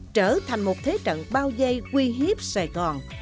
trở thành một thế trận bao dây uy hiếp sài gòn